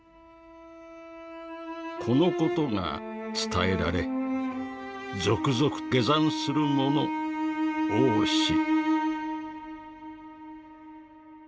「このことが伝えられ続々下山する者多し」。